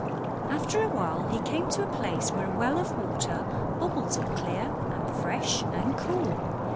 After awhile he came to a place where a well of water bubbled up clear and fresh and cool.